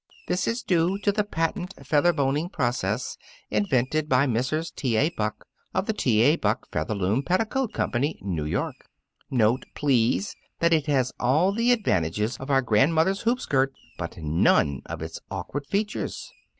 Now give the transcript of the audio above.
This is due to the patent featherboning process invented by Mrs. T. A. Buck, of the T. A. Buck Featherloom Petticoat Company, New York. Note, please, that it has all the advantages of our grandmother's hoop skirt, but none of its awkward features.